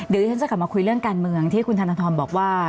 เดี๋ยวที่ฉันจะกลับมาคุยเรื่องการเมืองที่คุณธนทรบอกว่า